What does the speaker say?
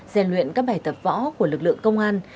rèn luyện các bài tập võ của lực lượng công an